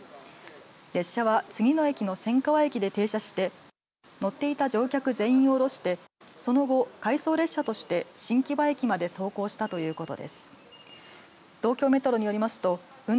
列車は次の駅の千川駅で停車して乗っていた乗客全員をその後回送列車として、新木場駅まで走行したということです。